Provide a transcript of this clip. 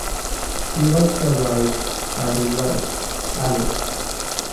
He was survived by his wife, Alice.